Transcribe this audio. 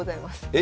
え